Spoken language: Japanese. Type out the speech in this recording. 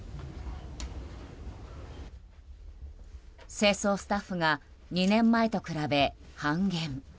清掃スタッフが２年前と比べ、半減。